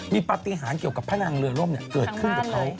มีปฏิหารเกี่ยวกับพลังเรือร่มเกิดขึ้นกับเขา